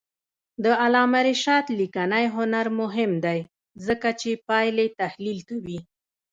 د علامه رشاد لیکنی هنر مهم دی ځکه چې پایلې تحلیل کوي.